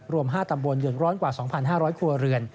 รวม๕ตำบลเดือดร้อนกว่า๒๕๐๐ครัวเรือน